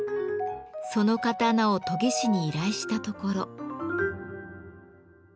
その刀を研ぎ師に依頼したところ。